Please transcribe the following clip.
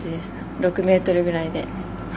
６ｍぐらいで。